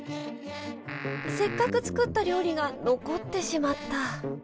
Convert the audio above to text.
せっかく作った料理が残ってしまった。